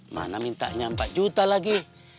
mana mintanya empat juta lagi